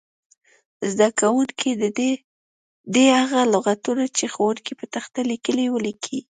زده کوونکي دې هغه لغتونه چې ښوونکی په تخته لیکي ولیکي.